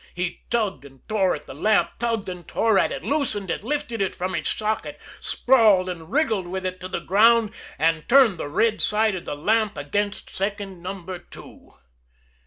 He tugged and tore at the lamp, tugged and tore at it, loosened it, lifted it from its socket, sprawled and wriggled with it to the ground and turned the red side of the lamp against second Number Two.